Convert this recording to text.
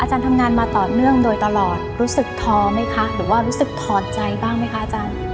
ทำงานมาต่อเนื่องโดยตลอดรู้สึกท้อไหมคะหรือว่ารู้สึกถอดใจบ้างไหมคะอาจารย์